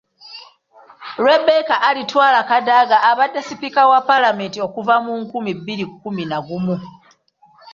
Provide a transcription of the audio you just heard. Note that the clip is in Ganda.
Rebecca Alitwala Kadaga abadde Sipiika wa Paalamenti okuva mu nkumi bbiri kkumi na gumu.